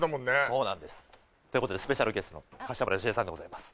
そうなんですということでスペシャルゲストの柏原芳恵さんでございます